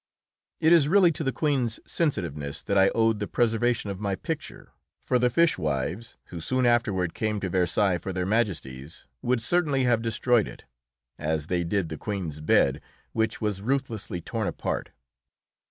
It is really to the Queen's sensitiveness that I owed the preservation of my picture, for the fishwives who soon afterward came to Versailles for Their Majesties would certainly have destroyed it, as they did the Queen's bed, which was ruthlessly torn apart.